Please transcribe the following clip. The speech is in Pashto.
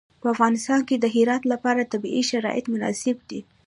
په افغانستان کې د هرات لپاره طبیعي شرایط مناسب دي.